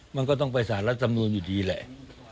มันก็ต้องไปสารรัฐธรรมนูลอยู่ดีแหละ